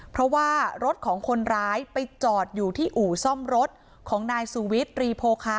เพราะว่ารถของคนร้ายไปจอดอยู่ที่อู่ซ่อมรถของนายสุวิทย์ตรีโพคา